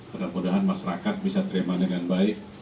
mudah mudahan masyarakat bisa terima dengan baik